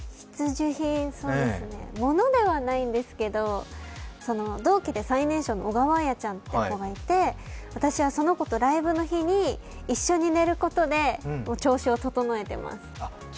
物ではないんですけど同期で最年少の小川彩ちゃんという子がいてその子とライブの日に一緒に寝ることで調子を整えてます。